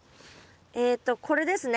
えっとこれですね？